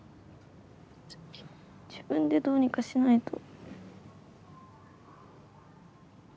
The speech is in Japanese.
自分でどうにかしないと。